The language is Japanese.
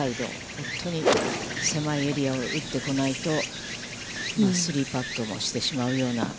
本当にせまいエリアを打ってこないと、３パットもしてしまうような。